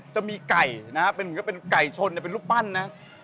จะมีไก่นะครับเป็นก็เป็นไก่ชนเป็นรูปปั้นนะ